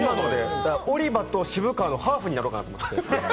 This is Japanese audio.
オリバと渋川のハーフになろうかなと思って。